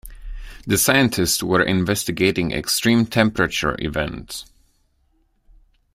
The scientists were investigating extreme temperature events.